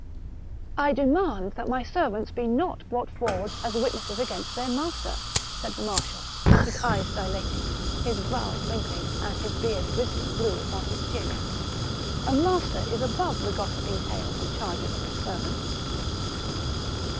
''" I demand that my servants be not brought forward as witnesses against their master," said the marshal, his eyes dilating, his brow wrinkling, and his beard bristling blue upon his chin : ''a master is above the gossiping tales and charges of his servants."